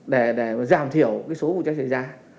để giảm thiểu số vụ cháy xảy ra